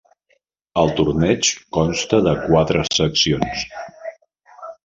El torneig consta de quatre seccions.